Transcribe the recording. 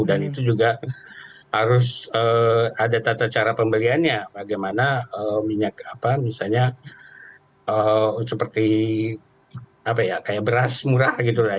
dan itu juga harus ada tata cara pembeliannya bagaimana minyak misalnya seperti beras murah gitu lah